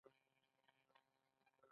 ایا زه باید ارګ ته لاړ شم؟